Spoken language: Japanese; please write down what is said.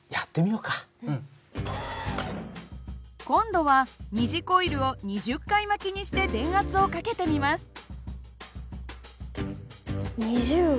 今度は二次コイルを２０回巻きにして電圧をかけてみます。